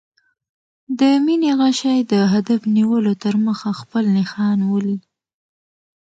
د مینې غشی د هدف نیولو تر مخه خپل نښان ولي.